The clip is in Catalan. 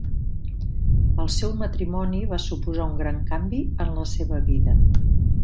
El seu matrimoni va suposar un gran canvi en la seva vida.